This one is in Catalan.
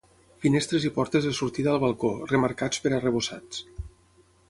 Finestres i portes de sortida al balcó, remarcats per arrebossats.